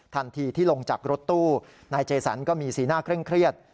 ทันทีที่ลงจากรถตู้นายเจสันก็มีสีหน้าเคร่งเครียด